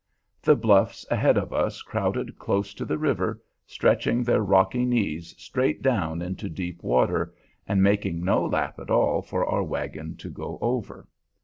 The bluffs ahead of us crowded close to the river, stretching their rocky knees straight down into deep water, and making no lap at all for our wagon to go over.